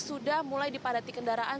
sudah mulai dipadati kendaraan